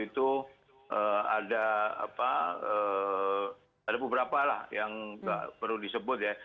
itu ada beberapa lah yang nggak perlu disebut ya